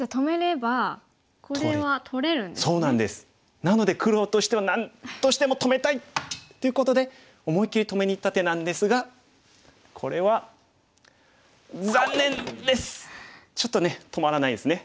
なので黒としてはなんとしても止めたいっていうことで思い切り止めにいった手なんですがこれはちょっとね止まらないですね。